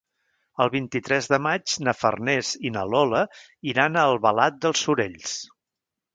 El vint-i-tres de maig na Farners i na Lola iran a Albalat dels Sorells.